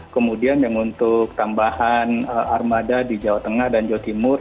kemudian yang untuk tambahan armada di jawa tengah dan jawa timur